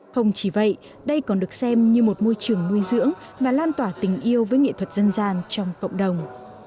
không chỉ vậy đây còn được xem như một môi trường nuôi dưỡng và lan tỏa tình yêu với nghệ thuật dân gian trong cộng đồng